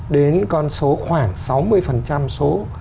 đến con số khoảng sáu mươi số